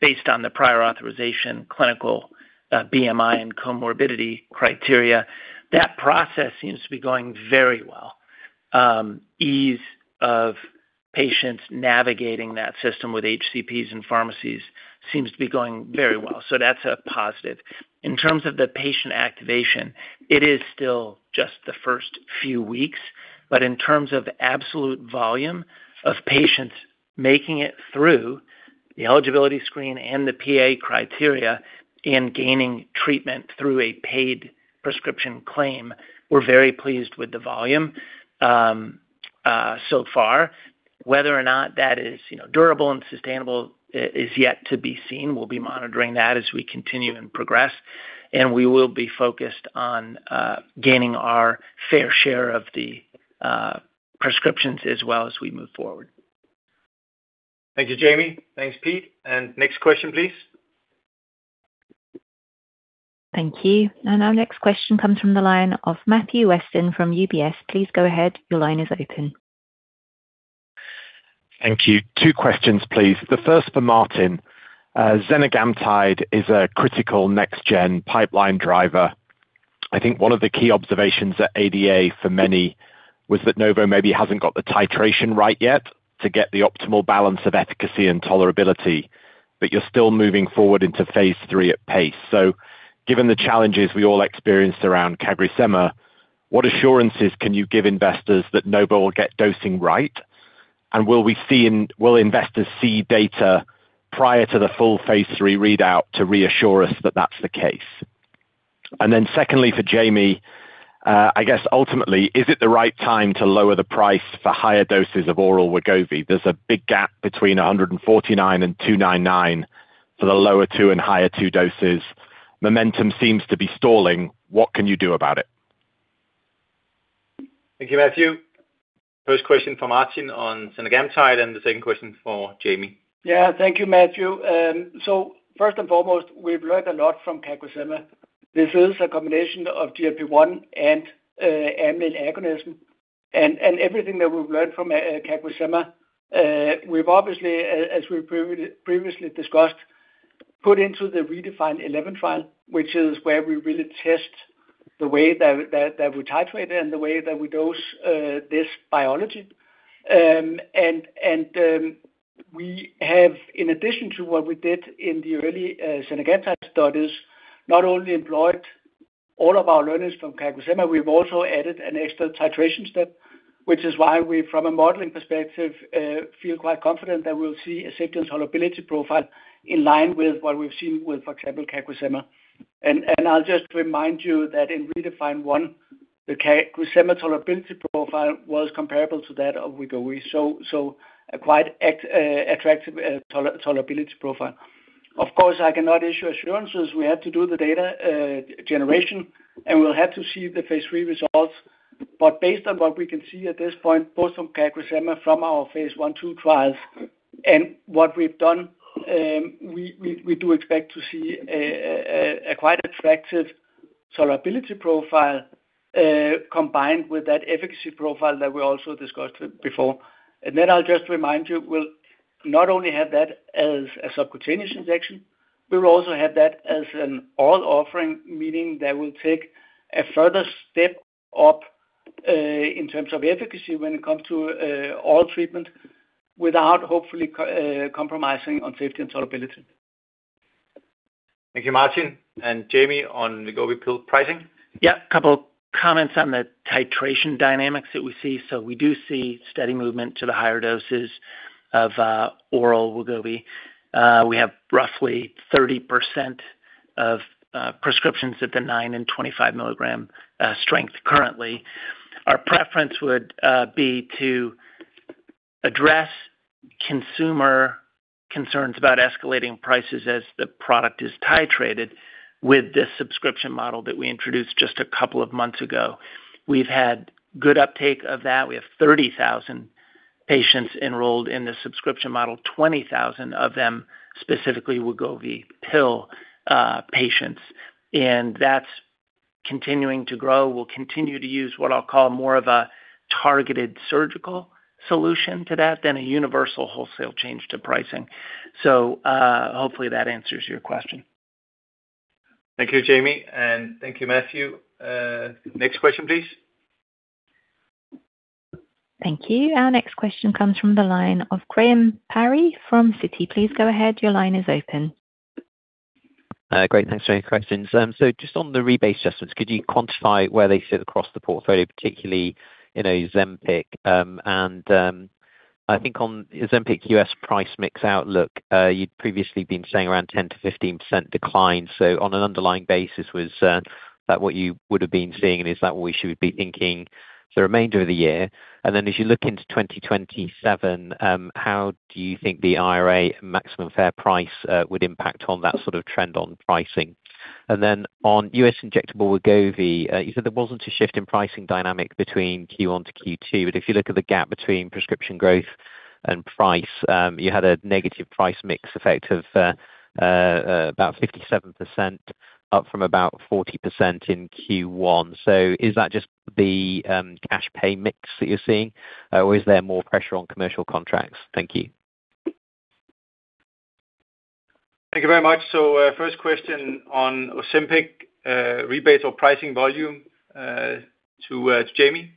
based on the prior authorization, clinical BMI, and comorbidity criteria, that process seems to be going very well. Ease of patients navigating that system with HCPs and pharmacies seems to be going very well. That's a positive. In terms of the patient activation, it is still just the first few weeks. In terms of absolute volume of patients making it through the eligibility screen and the PA criteria and gaining treatment through a paid prescription claim, we're very pleased with the volume so far. Whether or not that is durable and sustainable is yet to be seen. We'll be monitoring that as we continue and progress, we will be focused on gaining our fair share of the prescriptions as well as we move forward. Thank you, Jamey. Thanks, Pete. Next question, please. Thank you. Our next question comes from the line of Matthew Weston from UBS. Please go ahead. Your line is open. Thank you. Two questions, please. The first for Martin. Zenagamtide is a critical next-gen pipeline driver. I think one of the key observations at ADA for many was that Novo maybe hasn't got the titration right yet to get the optimal balance of efficacy and tolerability, but you're still moving forward into phase III at pace. Given the challenges we all experienced around CagriSema, what assurances can you give investors that Novo will get dosing right? Will investors see data prior to the full phase III readout to reassure us that that's the case? Secondly, for Jamey, I guess ultimately, is it the right time to lower the price for higher doses of oral Wegovy? There's a big gap between $149 and $299 for the lower two and higher two doses. Momentum seems to be stalling. What can you do about it? Thank you, Matthew. First question for Martin on zenagamtide, the second question for Jamey. Yeah. Thank you, Matthew. First and foremost, we've learned a lot from CagriSema. This is a combination of GLP-1 and amylin agonism, everything that we've learned from CagriSema, we've obviously, as we previously discussed, put into the REDEFINE 11 trial, which is where we really test the way that we titrate it and the way that we dose this biology. We have, in addition to what we did in the early zenagamtide studies, not only employed all of our learnings from CagriSema, we've also added an extra titration step, which is why we, from a modeling perspective, feel quite confident that we'll see a safety tolerability profile in line with what we've seen with, for example, CagriSema. I'll just remind you that in REDEFINE 1, the CagriSema tolerability profile was comparable to that of Wegovy. A quite attractive tolerability profile. Of course, I cannot issue assurances. We have to do the data generation, and we'll have to see the phase III results. Based on what we can see at this point, both from CagriSema, from our phase I, II trials and what we've done, we do expect to see a quite attractive tolerability profile, combined with that efficacy profile that we also discussed before. I'll just remind you, we'll not only have that as a subcutaneous injection, we'll also have that as an oral offering, meaning that will take a further step up in terms of efficacy when it comes to oral treatment without hopefully compromising on safety and tolerability. Thank you, Martin. Jamey, on the Wegovy pill pricing. Couple comments on the titration dynamics that we see. We do see steady movement to the higher doses of oral Wegovy. We have roughly 30% of prescriptions at the 9 mg and 25 mg strength currently. Our preference would be to address consumer concerns about escalating prices as the product is titrated with this subscription model that we introduced just a couple of months ago. We've had good uptake of that. We have 30,000 patients enrolled in the subscription model, 20,000 of them specifically Wegovy pill patients. That's continuing to grow. We'll continue to use what I'll call more of a targeted surgical solution to that than a universal wholesale change to pricing. Hopefully that answers your question. Thank you, Jamey, and thank you, Matthew. Next question, please. Thank you. Our next question comes from the line of Graham Parry from Citi. Please go ahead. Your line is open. Great. Thanks for your questions. Just on the rebate adjustments, could you quantify where they sit across the portfolio, particularly Ozempic? I think on Ozempic U.S. price mix outlook, you'd previously been saying around 10%-15% decline. On an underlying basis, was that what you would've been seeing, and is that what we should be thinking the remainder of the year? As you look into 2027, how do you think the IRA maximum fair price would impact on that sort of trend on pricing? On U.S. injectable Wegovy, you said there wasn't a shift in pricing dynamic between Q1 to Q2, but if you look at the gap between prescription growth and price, you had a negative price mix effect of about 57% up from about 40% in Q1. Is that just the cash pay mix that you're seeing? Is there more pressure on commercial contracts? Thank you. Thank you very much. First question on Ozempic rebates or pricing volume, to Jamey.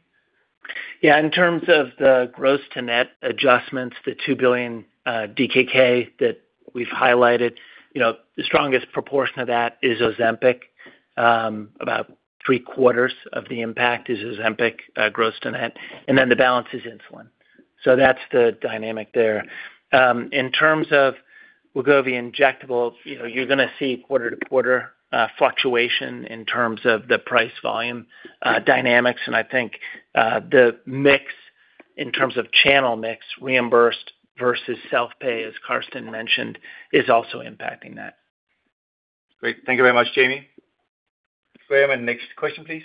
Yeah. In terms of the gross to net adjustments, the 2 billion DKK that we've highlighted, the strongest proportion of that is Ozempic. About 3/4 of the impact is Ozempic gross to net, and then the balance is insulin. That's the dynamic there. In terms of Wegovy injectable, you're going to see quarter-to-quarter fluctuation in terms of the price volume dynamics. I think, the mix in terms of channel mix reimbursed versus self-pay, as Karsten mentioned, is also impacting that. Great. Thank you very much, Jamey and Graham. Next question, please.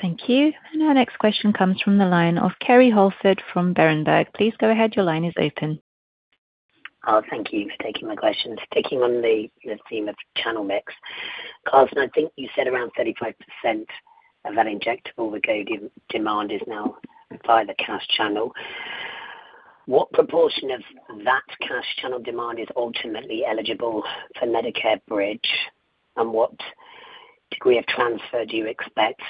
Thank you. Our next question comes from the line of Kerry Holford from Berenberg. Please go ahead. Your line is open. Oh, thank you for taking my questions. Sticking on the theme of channel mix. Karsten, I think you said around 35% of that injectable Wegovy demand is now by the cash channel. What proportion of that cash channel demand is ultimately eligible for Medicare Bridge? What degree of transfer do you expect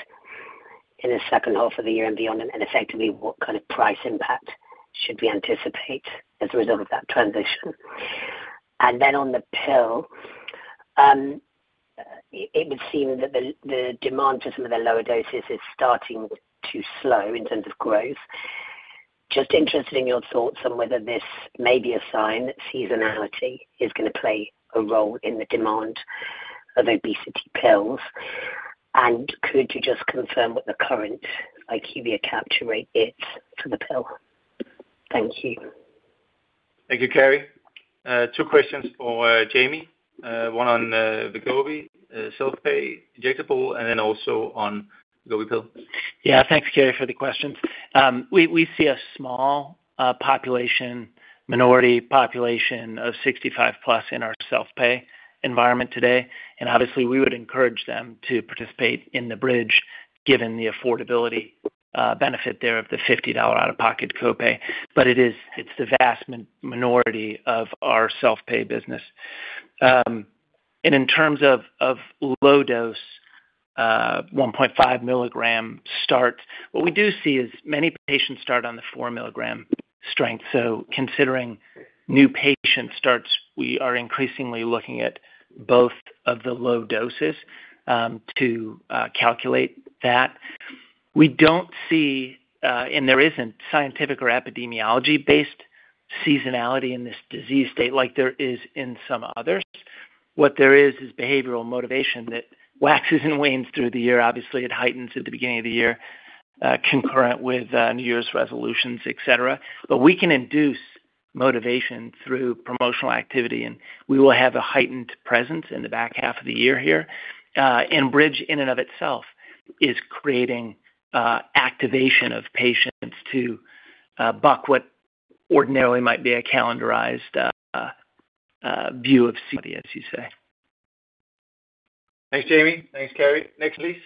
in the second half of the year and beyond? Effectively, what kind of price impact should we anticipate as a result of that transition? Then on the pill, it would seem that the demand for some of the lower doses is starting to slow in terms of growth. Just interested in your thoughts on whether this may be a sign that seasonality is going to play a role in the demand of obesity pills. Could you just confirm what the current IQVIA capture rate is for the pill? Thank you. Thank you, Kerry. Two questions for Jamey, one on the Wegovy self-pay injectable and then also on the Wegovy pill. Thanks, Kerry, for the questions. We see a small population, minority population of 65+ in our self-pay environment today, obviously we would encourage them to participate in the Medicare GLP-1 Bridge given the affordability benefit there of the $50 out-of-pocket copay. It's the vast minority of our self-pay business. In terms of low dose, 1.5 mg start, what we do see is many patients start on the 4 mg strength. Considering new patient starts, we are increasingly looking at both of the low doses to calculate that. We don't see, and there isn't scientific or epidemiology-based seasonality in this disease state like there is in some others. What there is behavioral motivation that waxes and wanes through the year. Obviously, it heightens at the beginning of the year, concurrent with New Year's resolutions, et cetera. We can induce motivation through promotional activity, and we will have a heightened presence in the back half of the year here. Medicare GLP-1 Bridge in and of itself is creating activation of patients to buck what ordinarily might be a calendarized view of seasonality, as you say. Thanks, Jamey. Thanks, Kerry. Next, please.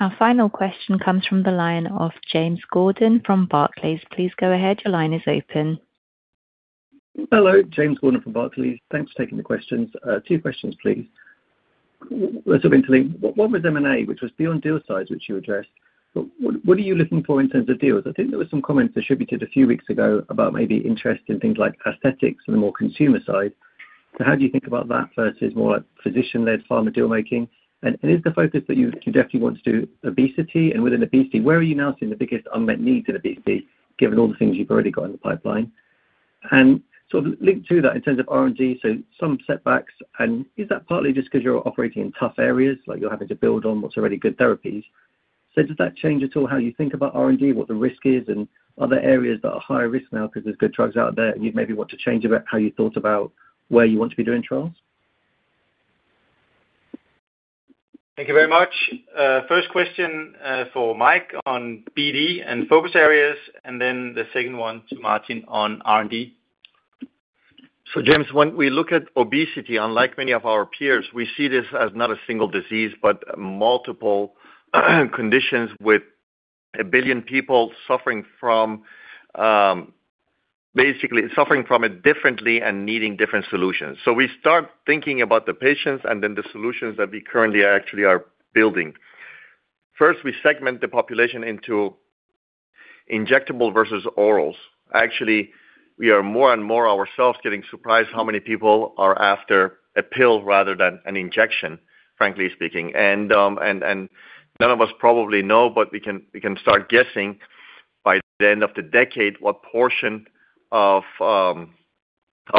Our final question comes from the line of James Gordon from Barclays. Please go ahead. Your line is open. Hello, James Gordon from Barclays. Thanks for taking the questions. Two questions, please. Sort of interlinked. One was M&A, which was beyond deal size, which you addressed. What are you looking for in terms of deals? I think there were some comments attributed a few weeks ago about maybe interest in things like aesthetics and the more consumer side. How do you think about that versus more physician-led pharma deal making? Is the focus that you definitely want to do obesity? Within obesity, where are you now seeing the biggest unmet need in obesity, given all the things you've already got in the pipeline? And sort of linked to that in terms of R&D, some setbacks. Is that partly just because you're operating in tough areas, like you're having to build on what's already good therapies? Does that change at all how you think about R&D, what the risk is and other areas that are higher risk now because there's good drugs out there and you'd maybe want to change about how you thought about where you want to be doing trials? Thank you very much. First question for Mike on BD and focus areas, and then the second one to Martin on R&D. James, when we look at obesity, unlike many of our peers, we see this as not a single disease, but multiple conditions with 1 billion people suffering from it differently and needing different solutions. We start thinking about the patients and then the solutions that we currently actually are building. First, we segment the population into injectable versus orals. Actually, we are more and more ourselves getting surprised how many people are after a pill rather than an injection, frankly speaking. None of us probably know, but we can start guessing by the end of the decade what portion of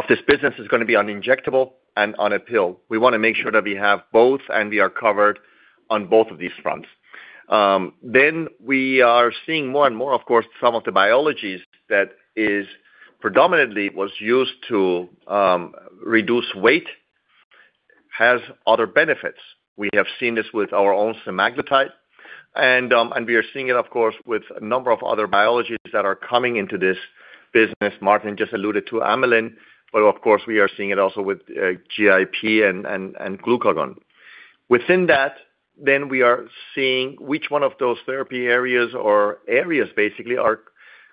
this business is going to be on injectable and on a pill. We want to make sure that we have both and we are covered on both of these fronts. We are seeing more and more, of course, some of the biologies that predominantly was used to reduce weight has other benefits. We have seen this with our own semaglutide, and we are seeing it, of course, with a number of other biologies that are coming into this business. Martin just alluded to amylin, but of course, we are seeing it also with GIP and glucagon. Within that, we are seeing which one of those therapy areas or areas basically are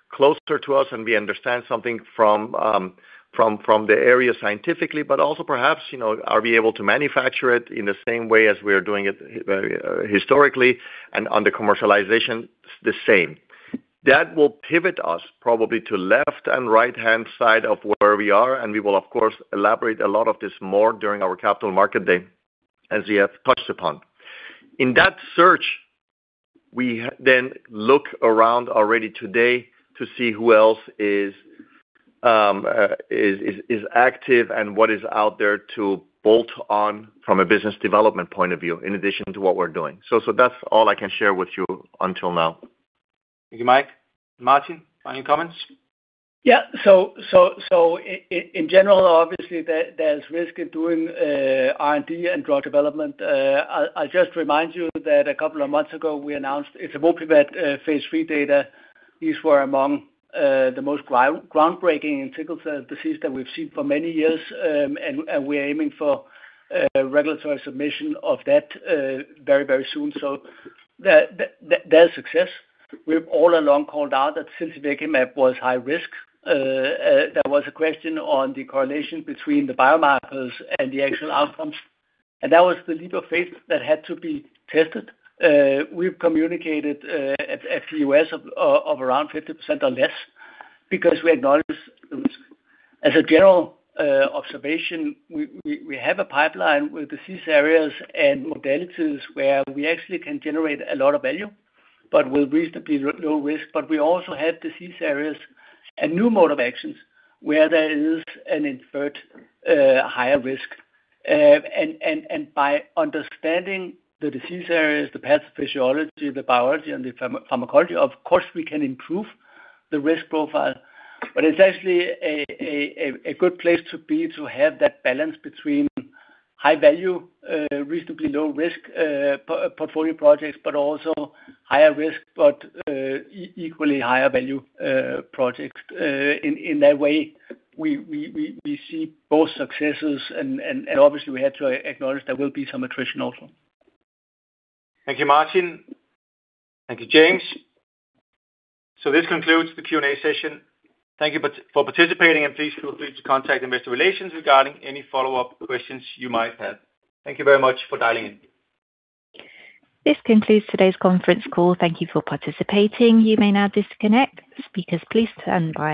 closer to us and we understand something from the area scientifically, but also perhaps, are we able to manufacture it in the same way as we are doing it historically and under commercialization the same. That will pivot us probably to left and right-hand side of where we are, we will, of course, elaborate a lot of this more during our capital market day, as we have touched upon. In that search, we look around already today to see who else is active and what is out there to bolt on from a business development point of view, in addition to what we're doing. That's all I can share with you until now. Thank you, Mike. Martin, any comments? In general, obviously, there's risk in doing R&D and drug development. I'll just remind you that a couple of months ago, we announced etavopivat phase III data. These were among the most groundbreaking in single disease that we've seen for many years, and we are aiming for regulatory submission of that very soon. There's success. We've all along called out that ziltivekimab was high risk. There was a question on the correlation between the biomarkers and the actual outcomes, and that was the leap of faith that had to be tested. We've communicated an effect size of around 50% or less because we acknowledge the risk. As a general observation, we have a pipeline with disease areas and modalities where we actually can generate a lot of value, but with reasonably low risk. We also have disease areas and new mode of actions where there is an inferred higher risk. By understanding the disease areas, the pathophysiology, the biology and the pharmacology, of course, we can improve the risk profile. It's actually a good place to be to have that balance between high value, reasonably low risk portfolio projects, but also higher risk, but equally higher value projects. In that way, we see both successes and obviously we have to acknowledge there will be some attrition also. Thank you, Martin. Thank you, James. This concludes the Q&A session. Thank you for participating and please feel free to contact investor relations regarding any follow-up questions you might have. Thank you very much for dialing in. This concludes today's conference call. Thank you for participating. You may now disconnect. Speakers, please stand by.